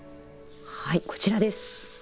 はいこちらです。